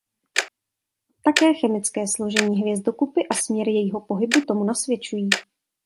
Také chemické složení hvězdokupy a směr jejího pohybu tomu nasvědčují.